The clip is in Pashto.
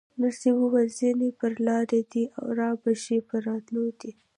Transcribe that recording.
نرسې وویل: ځینې پر لاره دي، رابه شي، په راتلو دي.